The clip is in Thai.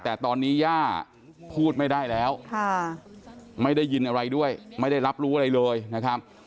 แต่ตอนนี้ย่าพูดไม่ได้แล้วไม่ได้ยินอะไรด้วยไม่ได้รับรู้อะไรเลยนะครับ